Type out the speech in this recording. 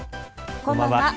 こんばんは。